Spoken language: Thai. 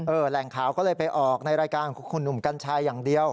แหล่งข่าวก็เลยไปออกในรายการของคุณหนุ่มกัญชัยอย่างเดียว